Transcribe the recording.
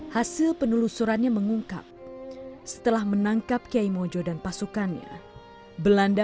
hasil penelusurannya mengungkap setelah menangkap kiaimojo dan pasukannya belanda